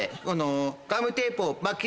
「このガムテープをま」